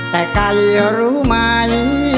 แต่ไก่รู้มั้ย